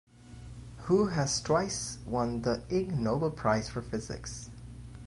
Hu has twice won the Ig Nobel Prize for Physics.